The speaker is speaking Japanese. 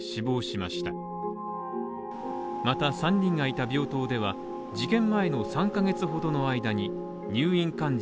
また３人がいた病棟では事件前の３ヶ月ほどの間に入院患者